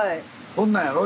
こんなんやろ？